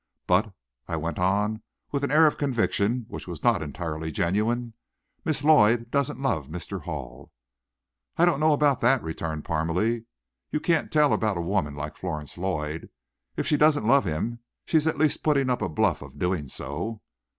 But," I went on, with an air of conviction which was not entirely genuine, "Miss Lloyd doesn't love Mr. Hall." "I don't know about that," returned Parmalee; "you can't tell about a woman like Florence Lloyd. If she doesn't love him, she's at least putting up a bluff of doing so."